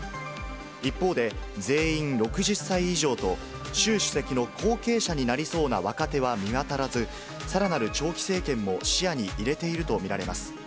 一方で、全員６０歳以上と、習主席の後継者になりそうな若手は見当たらず、さらなる長期政権も視野に入れていると見られます。